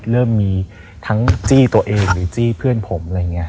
เริ่มมีทั้งจี้ตัวเองหรือจี้เพื่อนผม